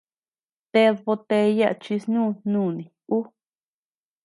¡Ted botella chi snú nuni ú!